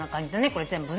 これ全部。